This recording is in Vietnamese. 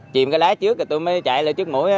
chìm cái lái trước rồi tôi mới chạy lên trước mũi